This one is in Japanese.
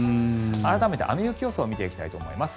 改めて、雨・雪予想見ていきたいと思います。